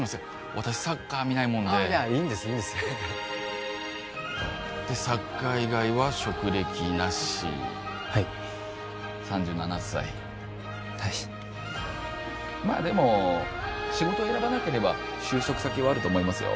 私サッカー見ないもんでいやいいんですいいんですでサッカー以外は職歴なしはい３７歳はいまあでも仕事選ばなければ就職先はあると思いますよ